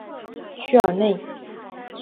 屈尔内。